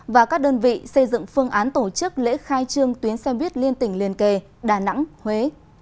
và các đơn vị xây dựng phương án tổ chức lễ khai trương tuyến xe buýt liên tỉnh liền kề đà nẵng huế